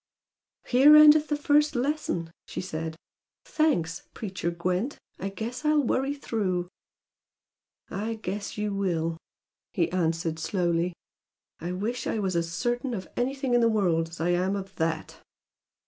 "Here endeth the first lesson!" she said. "Thanks, preacher Gwent! I guess I'll worry through!" "I guess you will!" he answered, slowly. "I wish I was as certain of anything in the world as I am of THAT!"